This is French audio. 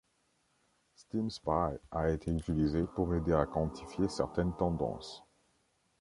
Steam Spy a été utilisé pour aider à quantifier certaines tendances.